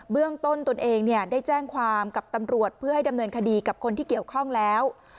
เรื่องต้นตนเองได้แจ้งความกับตำรวจเพื่อให้ดำเนินคดีกับคนที่เกี่ยวข้องแล้ว